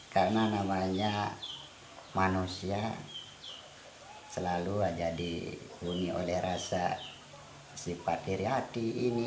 karena namanya manusia selalu jadi bunyi oleh rasa si patiri hati ini itu